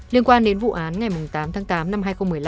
liên quan đến vụ án ngày tám tháng tám năm hai nghìn một mươi năm